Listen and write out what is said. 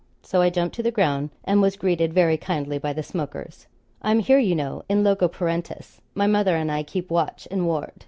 So I jumped to the ground and was greeted very kindly by the smokers. 'I'm here, you know, in loco parentis; my mother and I keep watch and ward.